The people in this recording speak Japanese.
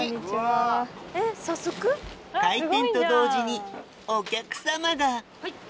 開店と同時にお客様が！